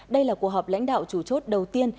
đây là cuộc họp lãnh đạo chủ chốt đầu tiên